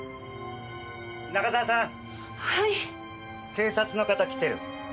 警察の方来てる。